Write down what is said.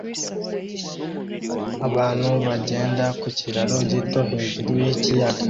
Abantu bagenda ku kiraro gito hejuru yikiyaga